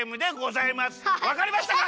わかりましたか？